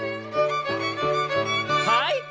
はい！